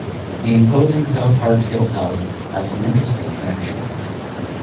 The imposing South Hartfield House has some interesting connections.